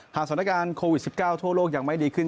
สถานการณ์โควิด๑๙ทั่วโลกยังไม่ดีขึ้น